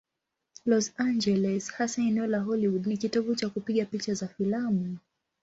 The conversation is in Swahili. Los Angeles, hasa eneo la Hollywood, ni kitovu cha kupiga picha za filamu.